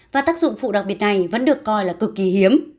và tác dụng phụ đặc biệt này vẫn được coi là cực kỳ hiếm